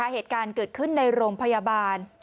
เหตุการณ์เกิดขึ้นในโรงพยาบาล